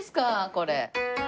これ。